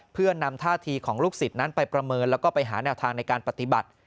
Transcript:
เพื่อนำท่าทีของลูกศิษย์นั้นไปประเมินแล้วก็ไปหาแนวทางในการปฏิบัติ